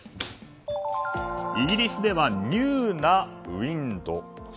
イギリスではニューなウインド。